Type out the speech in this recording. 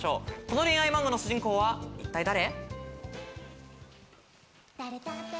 この恋愛漫画の主人公は一体誰？